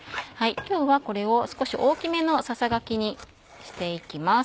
今日はこれを少し大きめのささがきにしていきます。